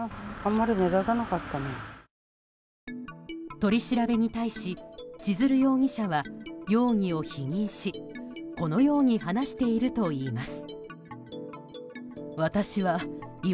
取り調べに対し千鶴容疑者は容疑を否認しこのように話しているといいます。